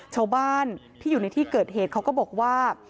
ชาวบ้านที่อยู่ในที่เกิดเหตุเขาก็บอกว่า